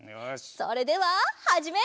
それでははじめい！